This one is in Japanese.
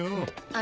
あ？